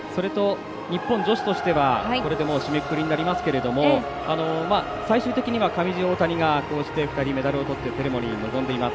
日本女子としてはこれでもう締めくくりになりますけれども最終的には上地、大谷がメダルをとってセレモニーに臨んでいます。